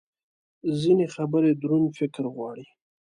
ځینې خبرې دروند فکر غواړي.